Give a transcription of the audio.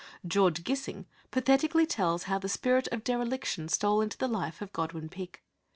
George Gissing pathetically tells how the spirit of dereliction stole into the life of Godwin Peak.